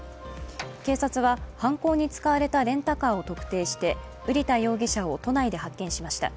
警察は犯行に使われたレンタカーを特定して瓜田容疑者を都内で発見しました。